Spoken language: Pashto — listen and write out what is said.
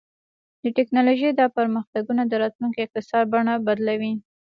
د ټیکنالوژۍ دا پرمختګونه د راتلونکي اقتصاد بڼه بدلوي.